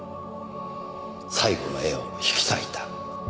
「最後の絵を引き裂いた」